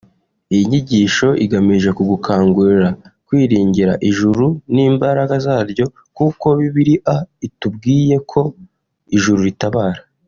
Iyi nyigisho igamije kugukangurira kwiringira ijuru n’ imbaraga zaryo kuko Biblia itubwiye ko ijuru ritabara